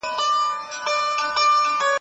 په کورني چاپیریال کي ماشوم ته زیان نه رسول کېږي.